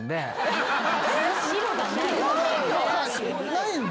ないんだ。